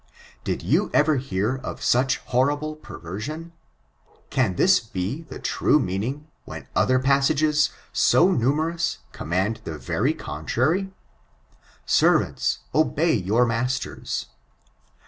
'" Did you ever hear of such horrible perversion t Can this be the true meaning, when other passages, so numerous, command the very contrary ?" Servants obey your masters."